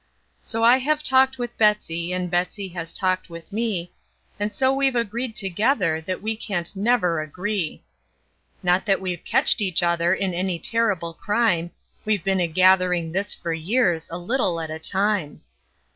So I have talked with Betsey, and Betsey has talked with me, And so we've agreed together that we can't never agree; Not that we've catched each other in any terrible crime; We've been a gathering this for years, a little at a time.